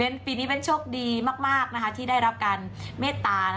เป็นปีนี้เป็นโชคดีมากที่ได้รับการเมตตา